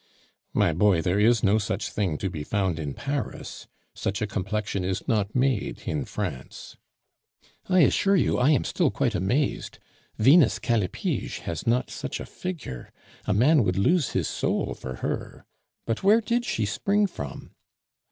"My boy, there is no such thing to be found in Paris. Such a complexion is not made in France." "I assure you, I am still quite amazed. Venus Callipyge has not such a figure. A man would lose his soul for her. But where did she spring from?"